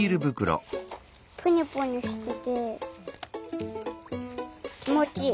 プニュプニュしててきもちいい。